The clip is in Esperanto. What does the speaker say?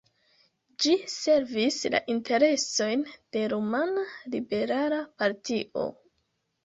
Ĝi servis la interesojn de rumana liberala partio.